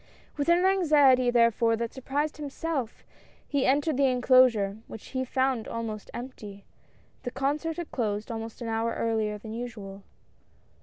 With an anxiety therefore that surprised himself he entered the enclosure, which he found almost empty — the concert had closed almost an hour earlier than usual.